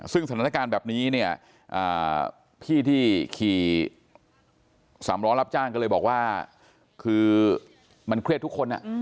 ซึ่งสถานการณ์แบบนี้เนี่ยพี่ที่ขี่สามล้อรับจ้างก็เลยบอกว่าคือมันเครียดทุกคน